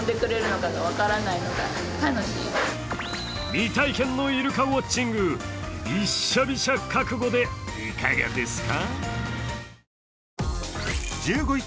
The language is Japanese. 未体験のイルカウォッチングビッシャビシャ覚悟でいかがですか？